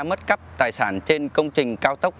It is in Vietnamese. mất cắp tài sản trên công trình cao tốc